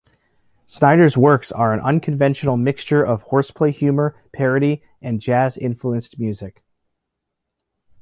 Schneider's works are an unconventional mixture of horseplay humor, parody, and jazz-influenced music.